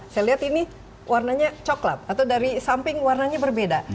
saya lihat ini warnanya coklat atau dari samping warnanya berbeda